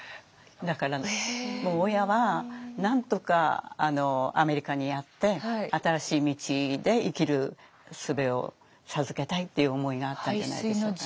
だからもう親はなんとかアメリカにやって新しい道で生きるすべを授けたいっていう思いがあったんじゃないでしょうかね。